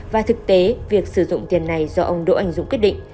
và thực tế việc sử dụng tiền này do ông đỗ anh dũng quyết định